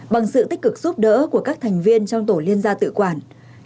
bằng sự tích cực giúp đỡ của các thành viên trong tổ liên gia tự quản